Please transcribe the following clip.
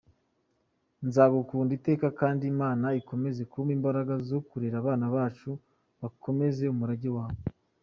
Nzagukunda iteka kandi Imana ikomeze kuma imbaraga zo kurera abana bacu bakomeza umurage wawe.